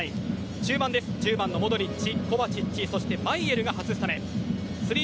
中盤は１０番のモドリッチコヴァチッチそしてマイェルが初スタメン。